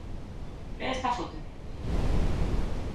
¿Ve esta foto?